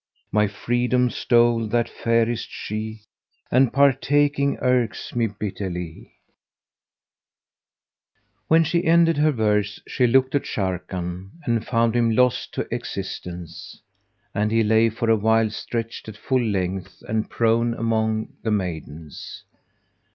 My freedom stole that fairest she, * And parting irks me bitterly." When she ended her verse, she looked at Sharrkan and found him lost to existence, and he lay for a while stretched at full length and prone among the maidens.